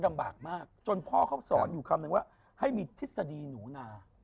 ลำบากมากจนพ่อเขาสอนอยู่คำนึงว่าให้มีทฤษฎีหนูนา